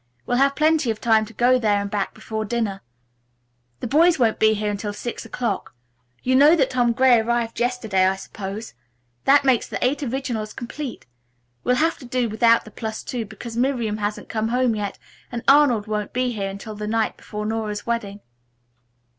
We'll have plenty of time to go there and back before dinner. The boys won't be here until six o'clock. You know that Tom Gray arrived yesterday, I suppose? That makes the Eight Originals complete. We'll have to do without the Plus Two, because Miriam hasn't come home yet and Arnold won't be here until the night before Nora's wedding."